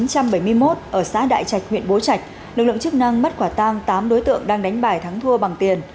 nguyễn bình an sinh năm một nghìn chín trăm bảy mươi một ở xã đại trạch huyện bố trạch lực lượng chức năng mất quả tang tám đối tượng đang đánh bài thắng thua bằng tiền